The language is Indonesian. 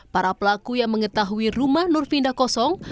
para pelaku yang mengetahui rumah nurvindah kosong